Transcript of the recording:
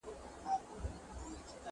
که وخت وي، ځواب ليکم،،